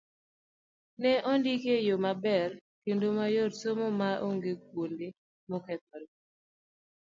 Ne ni ondike e yo maber kendo mayot somo ma onge kuonde mokethore